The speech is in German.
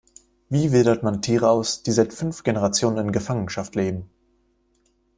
Wie wildert man Tiere aus, die seit fünf Generationen in Gefangenschaft leben?